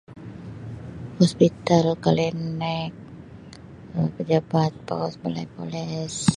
Hospital, klinik, Um pejabat pos, balai polis